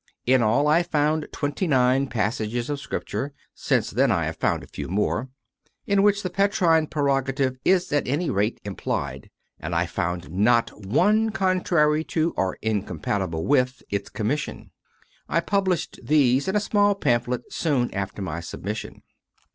In all I found twenty nine passages of Scripture since then I have found a few more in which the io8 CONFESSIONS OF A CONVERT Petrine prerogative is at any rate implied, and I found not one contrary to or incompatible with its commission. I published these in a small pamphlet soon after my submission.